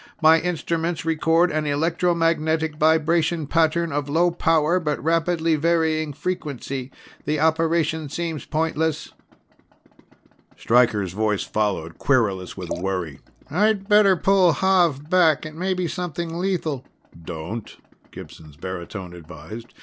My instruments record an electromagnetic vibration pattern of low power but rapidly varying frequency. The operation seems pointless." Stryker's voice followed, querulous with worry: "I'd better pull Xav back. It may be something lethal." "Don't," Gibson's baritone advised.